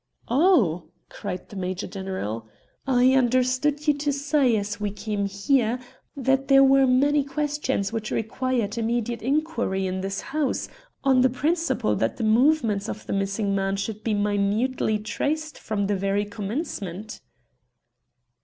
"Oh," cried the Major General, "I understood you to say as we came here that there were many questions which required immediate inquiry in this house, on the principle that the movements of the missing man should be minutely traced from the very commencement."